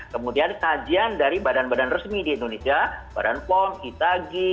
kemudian kajian dari badan badan resmi di indonesia badan pom itagi